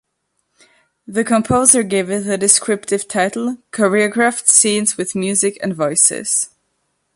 The composer gave it the descriptive title: Choreographed Scenes with Music and Voices.